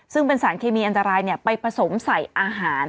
ซึ่งเป็นสารเคมีอันตรายไปผสมใส่อาหาร